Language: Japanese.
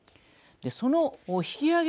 その引き上げ